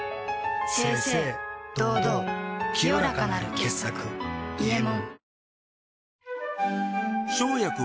清々堂々清らかなる傑作「伊右衛門」